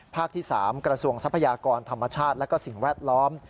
ที่๓กระทรวงทรัพยากรธรรมชาติและก็สิ่งแวดล้อม